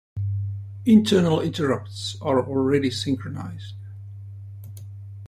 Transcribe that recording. Internal interrupts are already synchronized.